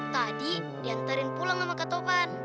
tadi diantarin pulang sama kak topan